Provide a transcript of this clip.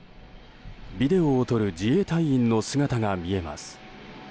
ビデオを撮る自衛隊員の姿が見えます。